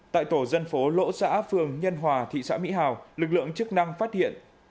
tại tổ dân phố lỗ xã phường nhân hòa thị xã mỹ hào lực lượng chức năng phát hiện